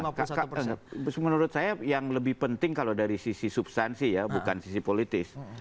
maka menurut saya yang lebih penting kalau dari sisi substansi ya bukan sisi politis